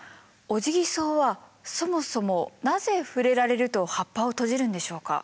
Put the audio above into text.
オジギソウはそもそもなぜ触れられると葉っぱを閉じるんでしょうか？